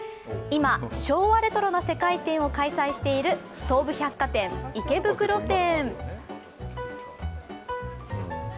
今、昭和レトロな世界展を開催している東武百貨店池袋店。